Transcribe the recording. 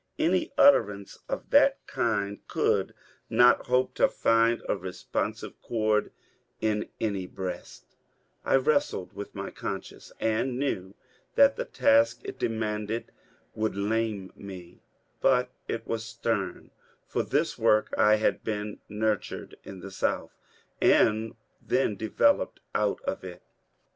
Any utterance of that kind could not hope to find a responsive chord in any breast I wrestled with my conscience, and knew that the task it demanded would lame me ; but it was stem : for this work I had been nurtured in the South and then developed out of it.